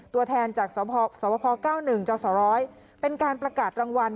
ตัวแทนจากสวพ๙๑จศร้อยเป็นการประกาศรางวัล